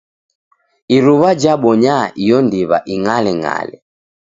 Iruw'a jabonya iyo ndiw'a ing'aleng'ale.